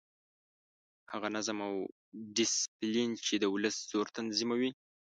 هغه نظم او ډسپلین چې د ولس زور تنظیموي.